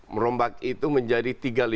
merombak itu menjadi tiga lima